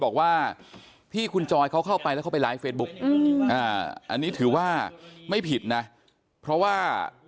บอกว่าที่คุณจอยเขาเข้าไปแล้วเขาไปไลฟ์เฟซบุ๊กอันนี้ถือว่าไม่ผิดนะเพราะว่า